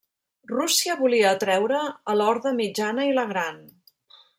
Rússia volia atreure a l'Horda Mitjana i la Gran.